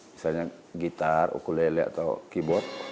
misalnya gitar ukulele atau keyboard